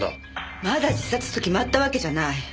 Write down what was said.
まだ自殺と決まったわけじゃない。